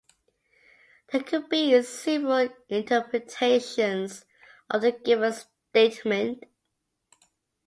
"There could be several interpretations of the given statement.